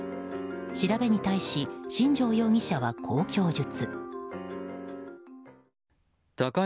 調べに対し新城容疑者は、こう供述。